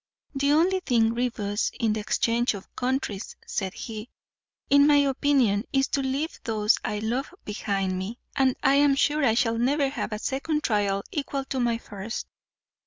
The only thing grievous in the exchange of countries," said he, "in my opinion, is to leave those I love behind me, and I am sure I shall never have a second trial equal to my first.